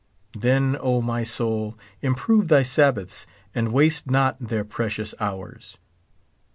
Then, O my soul, improve thy Sabbaths, and waste not their pre cious hours.